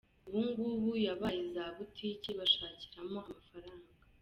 ubu ngubu yabaye za butiki bashakiramo amafaranga.